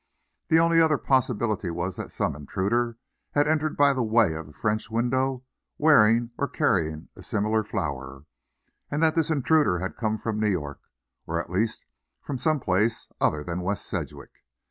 The only other possibility was that some intruder had entered by way of the French window wearing or carrying a similar flower, and that this intruder had come from New York, or at least from some place other than West Sedgwick.